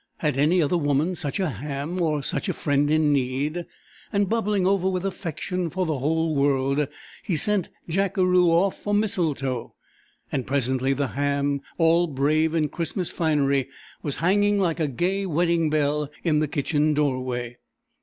Had any other woman such a ham or such a friend in need? And bubbling over with affection for the whole world, he sent Jackeroo off for mistletoe, and presently the ham, all brave in Christmas finery, was hanging like a gay wedding bell in the kitchen doorway.